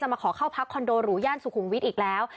มาขอเข้าพักคอนโดหรูย่านสุขุมวิทย์อีกแล้ว